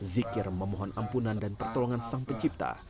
zikir memohon ampunan dan pertolongan sang pencipta